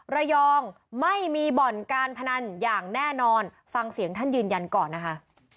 ระยองไม่มีบ่อนการพนันอย่างแน่นอนฟังเสียงท่านยืนยันก่อนนะคะ